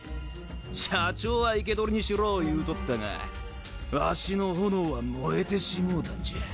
社長は「生け捕りにしろぉ」言うとったがワシの炎は燃えてしもうたんじゃ。